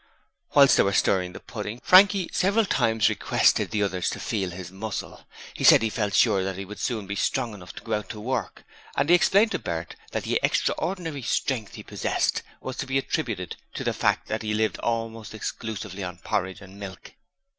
Whilst they were stirring the pudding, Frankie several times requested the others to feel his muscle: he said he felt sure that he would soon be strong enough to go out to work, and he explained to Bert that the extraordinary strength he possessed was to be attributed to the fact that he lived almost exclusively on porridge and milk.